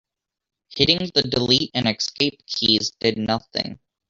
Hitting the delete and escape keys did nothing.